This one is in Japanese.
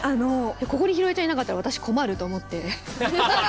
ここに宏枝ちゃんいなかったら私困ると思って。